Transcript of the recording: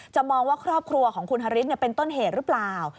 มองว่าครอบครัวของคุณฮาริสเป็นต้นเหตุหรือเปล่า